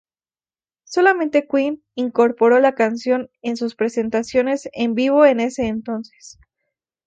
Solamente Queen incorporó la canción en sus presentaciones en vivo en ese entonces.